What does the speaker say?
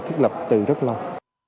thiết lập từ rất lâu